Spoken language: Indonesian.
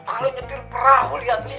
kalo nyetir perahu liat nih